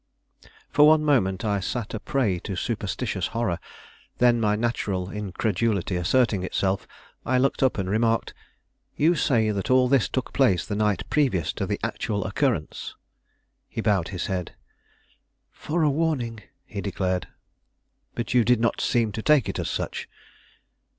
For one moment I sat a prey to superstitious horror; then, my natural incredulity asserting itself, I looked up and remarked: "You say that all this took place the night previous to the actual occurrence?" He bowed his head. "For a warning," he declared. "But you did not seem to take it as such?"